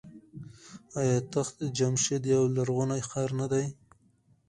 آیا تخت جمشید یو لرغونی ښار نه دی؟